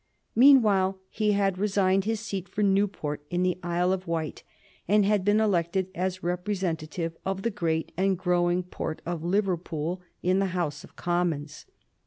Meanwhile he had resigned his seat for Newport, in the Isle of Wight, and had been elected as representative of the great and growing port of Liverpool in the House of Commons.